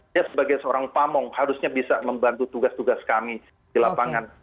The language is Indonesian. dia sebagai seorang pamong harusnya bisa membantu tugas tugas kami di lapangan